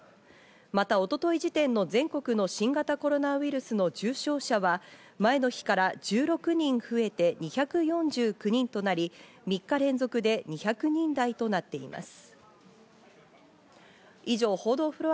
また、一昨日時点の全国の新型コロナウイルスの重症者は前の日から１６人増えて２４９人となり、３日連続で２００人台となっています。